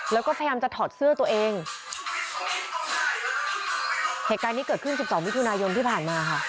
แล้วก็พยายามจะถอดเสื้อตัวเองเหตุการณ์นี้เกิดขึ้นสิบสองมิถุนายนที่ผ่านมาค่ะ